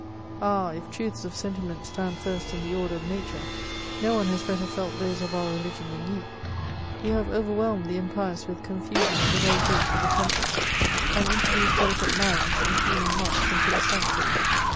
^* Ah ! if truths of sentiment stand first in the order of nature, no one has better felt those of our religion than you ; you have overwhelmed the impious with confusion at the very gate of the temple, and introduced delicate minds and feeung hearts into the sanctuary.